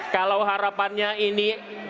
kalau harapannya ini disaksikan oleh jawabannya